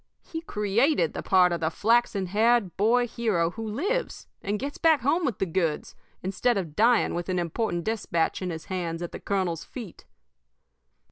He created the part of the flaxen haired boy hero who lives and gets back home with the goods, instead of dying with an important despatch in his hands at his colonel's feet.